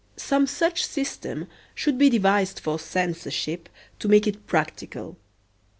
Some such system should be devised for censorship to make it practical.